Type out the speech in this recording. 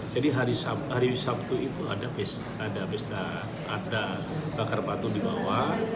jadi hari sabtu itu ada bakar batu di bawah